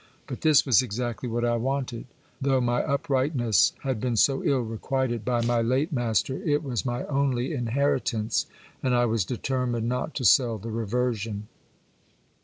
But this was exactly what I wanted. Though my uprightness had been so ill requited by mv late master, it was my only inheritance, and I was determined not to sell the reversion.